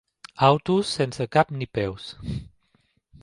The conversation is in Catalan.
Autos sense cap ni peus.